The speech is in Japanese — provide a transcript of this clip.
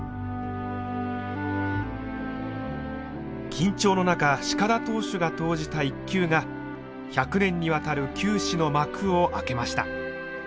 緊張の中鹿田投手が投じた一球が１００年にわたる球史の幕を開けました。